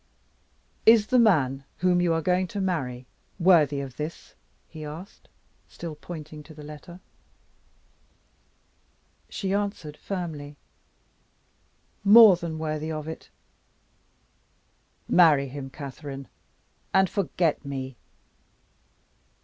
"Is the man whom you are going to marry worthy of this?" he asked, still pointing to the letter. She answered, firmly: "More than worthy of it." "Marry him, Catherine and forget Me."